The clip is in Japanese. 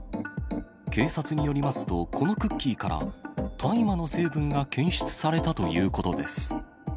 警察によりますと、このクッキーから、大麻の成分が検出されたということです。